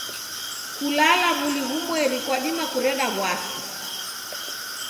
Kulala w'uli ghumweri kwadima kureda w'asi.